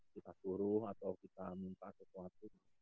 kita suruh atau kita minta sesuatu